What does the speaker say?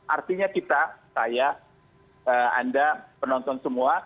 artinya kita saya anda penonton semua